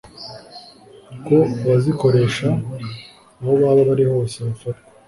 ko abazikoresha aho baba bari hose bafatwa